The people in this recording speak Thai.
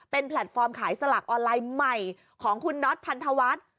เป็นแพลตฟอร์มขายสลากออนไลน์ใหม่ของคุณน็อตพันธวัฒน์